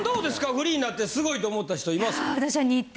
フリーになってすごいと思った人います？